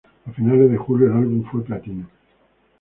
A finales de julio, el álbum fue platino.